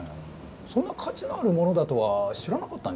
そんな価値のあるものだとは知らなかったんじゃ。